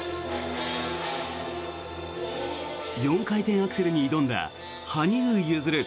４回転アクセルに挑んだ羽生結弦。